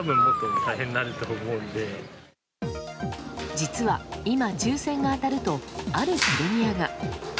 実は今、抽選が当たるとあるプレミアが。